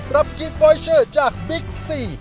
รับกิฟอยเชอร์จากบิ๊กซี